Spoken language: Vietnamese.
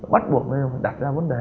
bắt buộc nên đặt ra vấn đề